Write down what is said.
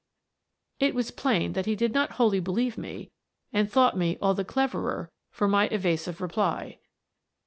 It was plain that he 'did not wholly believe me and thought me all the cleverer for my evasive reply.